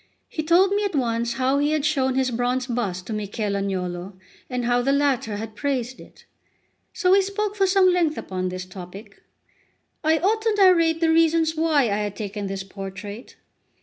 He told me at once how he had shown his bronze bust to Michel Agnolo, and how the latter had praised it. So we spoke for some length upon this topic. I ought to narrate the reasons why I had taken this portrait.